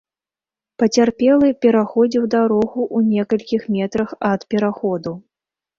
Пацярпелы пераходзіў дарогу ў некалькіх метрах ад пераходу.